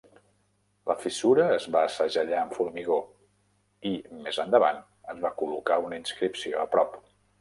La fissura es va segellar amb formigó i, més endavant, es va col·locar una inscripció a prop.